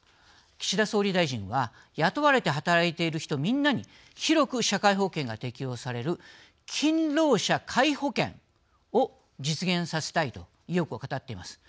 岸田総理大臣は雇われて働いている人みんなに広く社会保険が適用される勤労者皆保険を実現させたいと意欲を語っています。